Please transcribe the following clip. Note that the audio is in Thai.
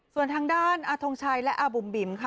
ส่วนทางด้านอาทงชัยและอาบุ๋มบิ๋มค่ะ